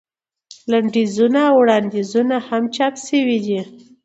لنډیزونه او وړاندیزونه هم چاپ شوي دي.